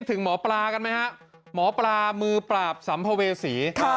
ถึงหมอปลากันไหมฮะหมอปลามือปราบสัมภเวษี